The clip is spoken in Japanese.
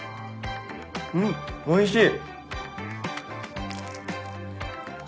うんおいしい！